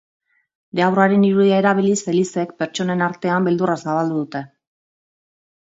Deabruaren irudia erabiliz elizek pertsonen artean beldurra zabaldu dute.